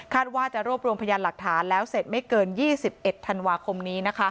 ว่าจะรวบรวมพยานหลักฐานแล้วเสร็จไม่เกิน๒๑ธันวาคมนี้